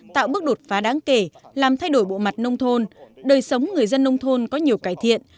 tạo bước đột phá đáng kể làm thay đổi bộ mặt nông thôn đời sống người dân nông thôn có nhiều cải thiện